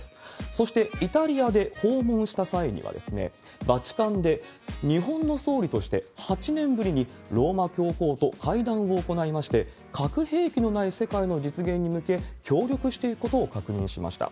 そしてイタリアで訪問した際には、バチカンで、日本の総理として８年ぶりに、ローマ教皇と会談を行いまして、核兵器のない世界の実現に向け協力していくことを確認しました。